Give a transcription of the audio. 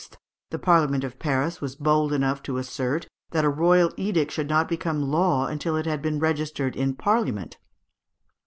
the Parliament of Paris was bold enough to assert that a royal edict should not become law until it had been registered in Parliament.